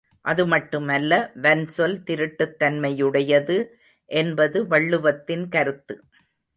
அது மட்டுமல்ல வன் சொல் திருட்டுத்தன்மையுடையது என்பது வள்ளுவத்தின் கருத்து.